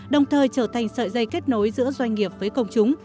đồng thời trở thành sợi dây kết nối giữa doanh nghiệp với công chúng